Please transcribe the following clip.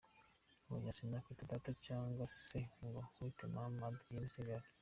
hoya sinakwita Data cyangwa se ngo nkwite mama' Adrien Misigaro .